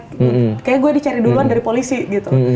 kayaknya gue dicari duluan dari polisi gitu